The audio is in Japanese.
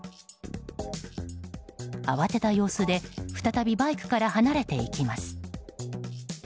慌てた様子で再びバイクから離れていきます。